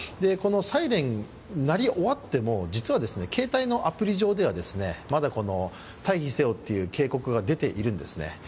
サイレンが鳴り終わっても、実は携帯のアプリ上ではまだ退避せよという警告が出ているんですね。